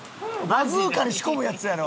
バズーカに仕込むやつやろ？